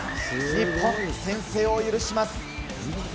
日本、先制を許します。